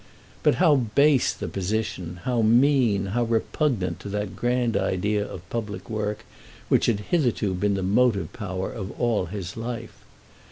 But how base the position, how mean, how repugnant to that grand idea of public work which had hitherto been the motive power of all his life!